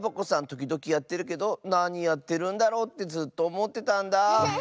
ときどきやってるけどなにやってるんだろうってずっとおもってたんだ。